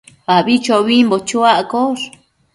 abichobimbo chuaccosh